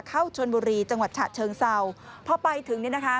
เข้าชนบุรีจังหวัดฉะเชิงเศร้าพอไปถึงเนี่ยนะคะ